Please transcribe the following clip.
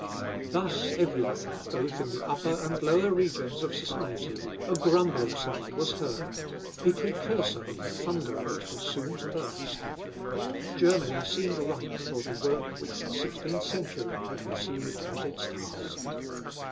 Thus everywhere, both in the upper and lower regions of society, a grumbling sound was heard, a precursor of the thunder which was soon to burst. Germany seemed ripe for the work which the sixteenth century had received as its task.